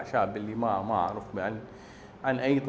karena kita menjaga keadaan kita